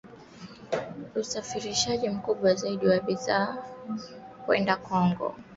usafirishaji mkubwa zaidi wa bidhaa kwenda Kongo, baada ya Rwanda